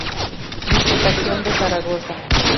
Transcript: Diputación de Zaragoza.